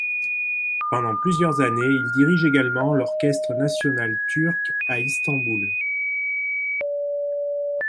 Pendant plusieurs années il dirige également l'orchestre national turc à Istanbul.